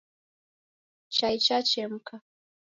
Chai chachemka.